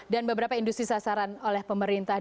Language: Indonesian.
dan beberapa industri sasaran oleh pemerintah